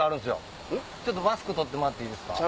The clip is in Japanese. マスク取ってもらっていいですか。